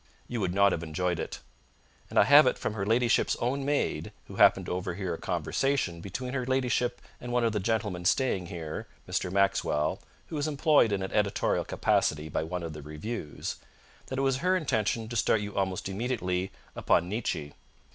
You would not have enjoyed it. And I have it from her ladyship's own maid, who happened to overhear a conversation between her ladyship and one of the gentlemen staying here Mr. Maxwell, who is employed in an editorial capacity by one of the reviews that it was her intention to start you almost immediately upon Nietzsche.